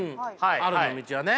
あるの道はね。ね？